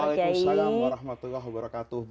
waalaikumsalam wr wb